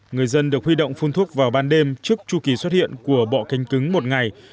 người dân được huy động phun thuốc vào ban đêm trước chu kỳ xuất hiện của bọ cánh cứng một ngày